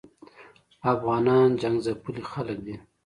افغانان جنګ ځپلي خلګ دي